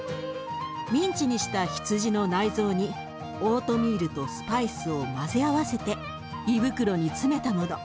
ミンチにした羊の内臓にオートミールとスパイスを混ぜ合わせて胃袋に詰めたもの。